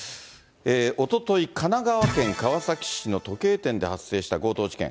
おととい、神奈川県川崎市の時計店で発生した強盗事件。